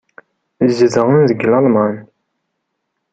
Zedɣen deg Lalman.